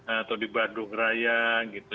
atau di badungraya gitu